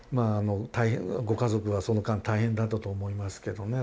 ご家族はその間大変だったと思いますけどね